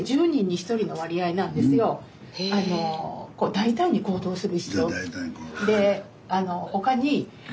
大胆に行動する。